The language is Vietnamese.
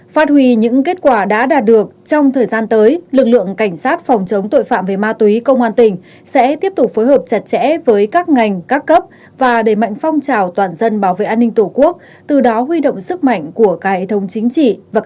phát huy những kết quả đã đạt được trong thời gian tới lực lượng cảnh sát phòng chống tội phạm về ma túy công an tỉnh sẽ tiếp tục phối hợp chặt chẽ với các ngành các cấp và đẩy mạnh phong trào toàn dân bảo vệ an ninh tổ quốc từ đó huy động sức mạnh của cả hệ thống chính trị và các tỉnh